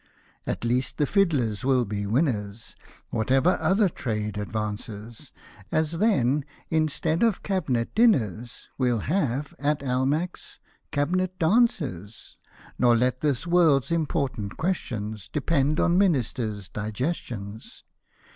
At least, the fiddlers will be winners, Whatever other trade advances ; As then, instead of Cabinet dinners, We'll have, at Almack's, Cabinet dances ; Nor let this world's important questions Depend on Ministers' digestions.